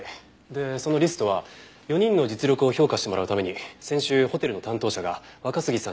でそのリストは４人の実力を評価してもらうために先週ホテルの担当者が若杉さんに渡したものだそうです。